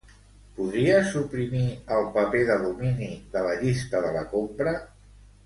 Podries suprimir el paper d'alumini de la llista de la compra?